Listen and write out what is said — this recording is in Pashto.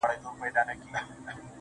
په مټي چي خان وكړی خرابات په دغه ښار كي.